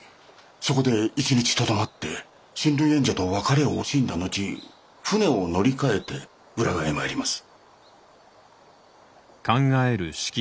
そこで１日とどまって親類縁者と別れを惜しんだ後船を乗り換えて浦賀へ参ります。